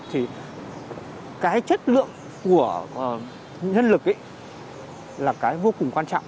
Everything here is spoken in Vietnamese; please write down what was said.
thì cái chất lượng của nhân lực là cái vô cùng quan trọng